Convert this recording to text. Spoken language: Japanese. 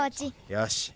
よし。